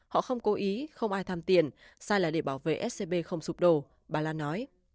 họ không cố ý không ai tham tiền sai là để bảo vệ scb không sụp đổ bà lan nói